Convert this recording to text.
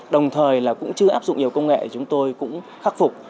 đồng thời là cũng chưa áp dụng nhiều công nghệ chúng tôi cũng khắc phục